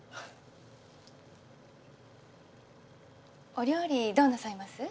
お料理どうなさいます？